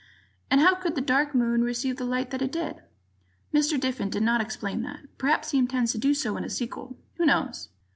And how could the Dark Moon receive the light that it did? [Mr. Diffin did not explain that; perhaps he intends to do so in a sequel. Who knows?